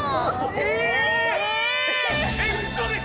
え！？